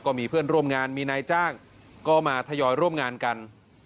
ก็มีเพื่อนร่วมงานมีนายจ้างก็มาทยอยร่วมงานกัน